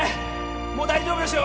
もう大丈夫ですよ